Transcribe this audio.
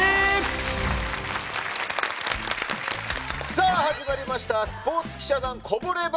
さあ始まりました『スポーツ記者団こぼれ話』。